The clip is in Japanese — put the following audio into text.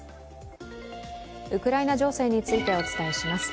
ウクライナ情勢についてお伝えします。